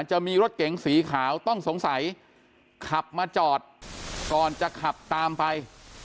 จะมีรถเก๋งสีขาวต้องสงสัยขับมาจอดก่อนจะขับตามไป